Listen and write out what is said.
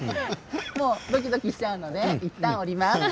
ドキドキしちゃうのでいったん降ります。